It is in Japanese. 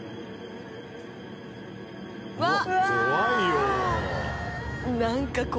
うわっ！